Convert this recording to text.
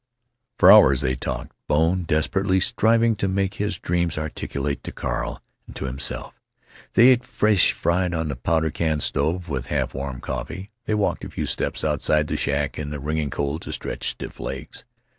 For hours they talked, Bone desperately striving to make his dreams articulate to Carl—and to himself. They ate fish fried on the powder can stove, with half warm coffee. They walked a few steps outside the shack in the ringing cold, to stretch stiff legs.